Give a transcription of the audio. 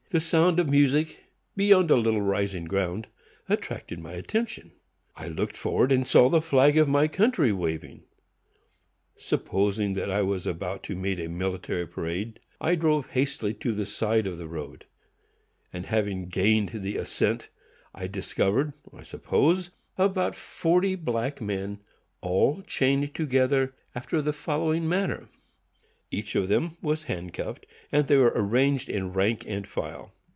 the sound of music (beyond a little rising ground) attracted my attention. I looked forward, and saw the flag of my country waving. Supposing that I was about to meet a military parade, I drove hastily to the side of the road; and, having gained the ascent, I discovered (I suppose) about forty black men all chained together after the following manner: each of them was handcuffed, and they were arranged in rank and file.